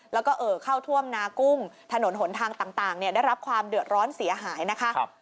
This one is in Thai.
แล้วก็เอ่อเข้าท่วมนากุ้งถนนหนทางต่างได้รับความเดือดร้อนเสียหายนะคะ